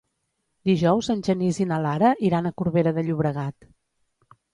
Dijous en Genís i na Lara iran a Corbera de Llobregat.